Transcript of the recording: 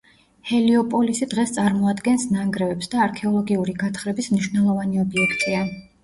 ჰელიოპოლისი დღეს წარმოადგენს ნანგრევებს და არქეოლოგიური გათხრების მნიშვნელოვანი ობიექტია.